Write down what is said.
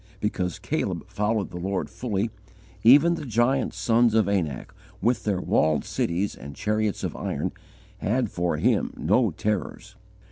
Because Caleb "followed the Lord fully," even the giant sons of Anak with their walled cities and chariots of iron had for him no terrors.